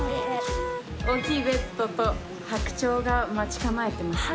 大きいベッドと白鳥が待ち構えてますね